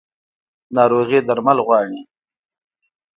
ناروغي درمل غواړي